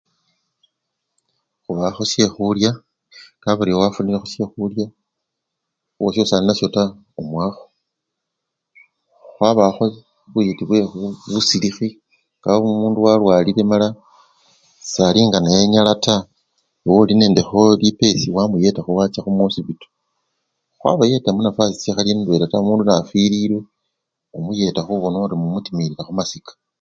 Khubawakho syekhulya kabari wafunilekho syekhulya owasyo sali nasyo taa, omuwakho akhaba abe buyeti bwebusilikhi ngo omundu walwalile amala sali nga neyenyala taa ewe olikho nende lipesa wamuyetakho wacha mukhiosipito, wabayetakho munyafasi chikhali ndwela taa mundu nafwilile omuyeta khubona ori mumutimilila khumasika.